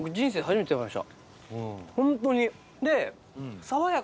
ホントにで。